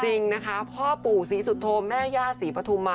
จริงนะคะพ่อปู่ศรีสุโธแม่ย่าศรีปฐุมมา